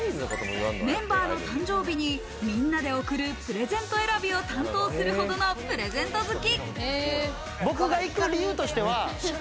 メンバーの誕生日に、みんなで贈るプレゼント選びを担当するほどのプレゼント好き。